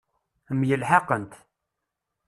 Myelḥaqent.